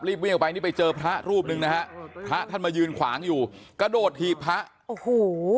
วิ่งออกไปนี่ไปเจอพระรูปหนึ่งนะฮะพระท่านมายืนขวางอยู่กระโดดถีบพระโอ้โห